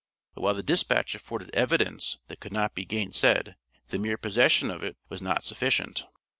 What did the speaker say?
But while the dispatch afforded evidence that could not be gainsaid, the mere possession of it was not sufficient.